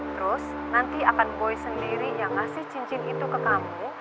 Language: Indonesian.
terus nanti akan boy sendiri yang ngasih cincin itu ke kamu